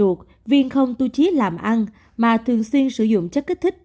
theo lời kể của mẹ ruột viên không tu chí làm ăn mà thường xuyên sử dụng chất kích thích